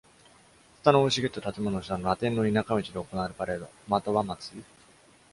蔦の生い茂った建物の下のラテンの田舎道で行われるパレードまたは祭り。